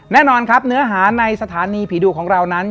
แน่นอนครับเนื้อหาในสถานีผีดุของเรานั้น